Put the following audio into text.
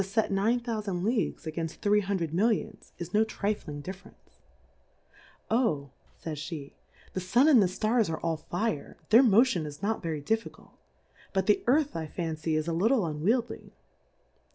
. fet nine thoufand Leagues againft ^thr^e ,.Hun xlred Millions^ is' no trifling Diffe rence Plurality ^/WORLDS. 19 rtncQ. Oh, fays pe^ the Sun and the Stars are all Fire, their Motion is not verv difficult ; but the Earth I fan cy, is a little unweildy.